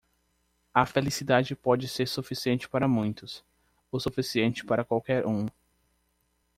A felicidade pode ser suficiente para muitos, o suficiente para qualquer um.